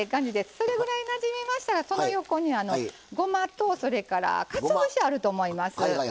それぐらいなじみましたらその横にごまと、かつお節あると思います。